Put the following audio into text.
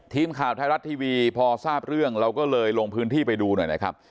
ทีมข่าวไทยรัฐทีวีพอทราบเรื่องเราก็เลยลงพื้นที่ไปดูหน่อยนะครับ